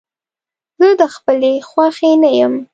زه د خپلې خوښې نه يم.